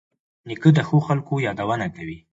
نیکه د ښو خلکو یادونه کوي.